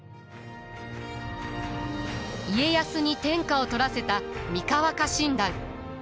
家康に天下を取らせた三河家臣団。